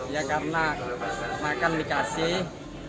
ya karena makan dikasih